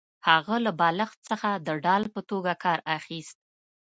هغه له بالښت څخه د ډال په توګه کار اخیست